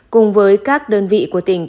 cùng với các đơn vị của tỉnh